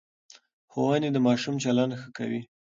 ښوونې د ماشوم چلند ښه کوي.